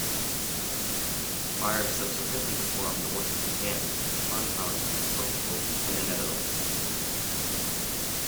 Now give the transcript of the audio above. The choir subsequently performed the work in Japan, Hong Kong, Portugal, and the Netherlands.